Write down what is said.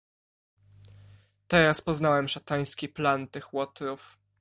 "Teraz poznałem szatański plan tych łotrów."